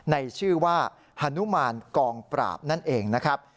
ในชื่อว่าฮานุมานกองปราบนั่นเองนะครับ